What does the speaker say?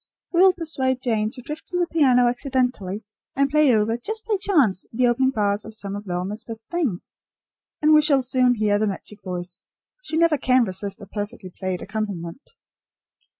We will persuade Jane to drift to the piano accidentally and play over, just by chance, the opening bars of some of Velma's best things, and we shall soon hear the magic voice. She never can resist a perfectly played accompaniment."